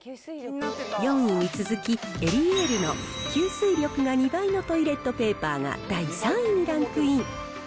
４位に続き、エリエールの吸水力が２倍のトイレットペーパーが第３位にランクイン。